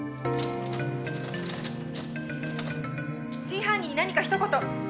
「真犯人に何か一言」